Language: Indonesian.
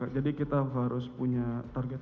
jadi kita harus punya target